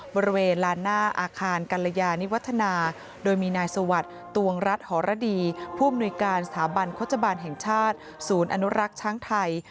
บริเวณลานหน้าอาคารกัลยานิวัฒนาโดยมีนายสวัสดิ์ตวงรัฐหรดีผู้อำนวยการสถาบันโฆษบาลแห่งชาติศูนย์อนุรักษ์ช้างไทย